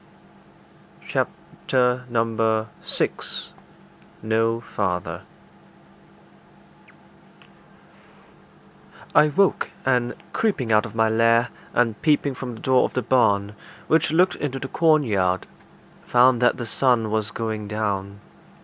CHAPTER VI No Father I woke, and creeping out of my lair, and peeping from the door of the barn, which looked into the cornyard, found that the sun was going down.